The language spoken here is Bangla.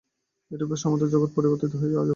এইরূপে সমুদয় জগৎ পরিবর্তিত হইয়া যাইবে।